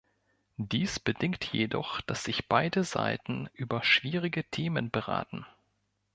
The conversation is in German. Dies bedingt jedoch, dass sich beide Seiten über schwierige Themen beraten.